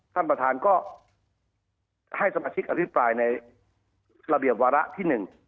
ท่านประธานก็ให้สมาชิกอภิปรายในระเบียบวาระที่หนึ่ง